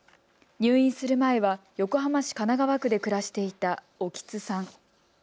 入院する前は横浜市神奈川区で暮らしていた興津さん。